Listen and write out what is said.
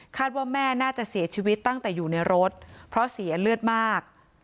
ว่าแม่น่าจะเสียชีวิตตั้งแต่อยู่ในรถเพราะเสียเลือดมาก